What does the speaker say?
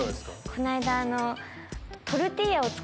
この間。